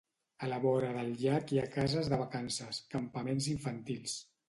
A la vora del llac hi ha cases de vacances, campaments infantils.